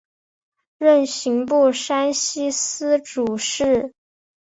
任刑部山西司主事。